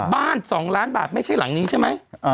๒ล้านบาทไม่ใช่หลังนี้ใช่ไหม